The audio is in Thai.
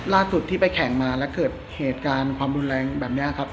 ล่าสุดที่ไปแข่งมาแล้วเกิดเหตุการณ์ความรุนแรงแบบนี้ครับ